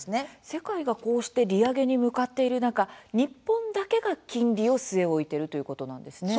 世界がこうして利上げに向かっている中、日本だけが金利を据え置いているということなんですね。